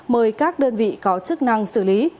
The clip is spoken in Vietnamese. mời các đơn vị có chức năng xử lý